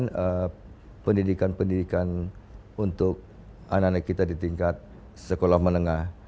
kemudian kita melakukan pendidikan pendidikan untuk anak anak kita di tingkat sekolah menengah